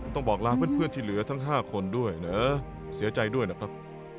ต้องบอกลาเพื่อนที่เหลือทั้ง๕คนด้วยนะเสียใจด้วยนะครับ